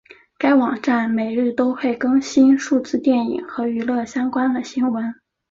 该网站每日都会更新数次电影和娱乐相关的新闻。